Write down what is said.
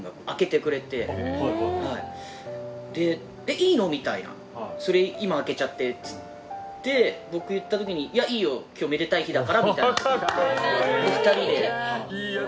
「いいの？」みたいな「それ今開けちゃって」って僕言った時に「いやいいよ！」「今日はめでたい日だから」みたいな事言って。